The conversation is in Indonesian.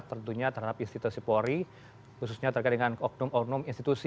tentunya terhadap institusi polri khususnya terkait dengan oknum oknum institusi